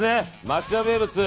町田名物。